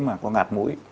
mà có ngạt mũi